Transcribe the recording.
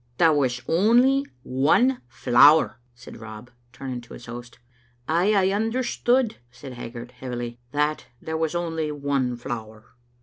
"There was only one flower," said Rob, turning to his host. "I aye understood," said Haggart heavily, "that there was only one flower.